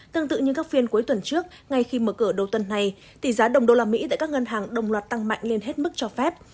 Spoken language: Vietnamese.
tương tự như các phiên cuối tuần trước ngay khi mở cửa đầu tuần này tỷ giá đồng đô la mỹ tại các ngân hàng đồng loạt tăng mạnh lên hết mức cho phép